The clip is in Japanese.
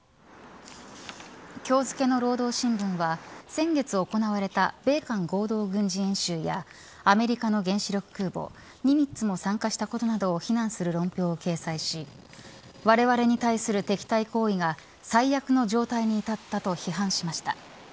今日付けの労働新聞は先月行われた米韓合同軍事演習やアメリカの原子力空母ニミッツも参加したことなどを非難する論評を掲載しわれわれに対する敵対行為が最悪の状態に至ったと批判しました。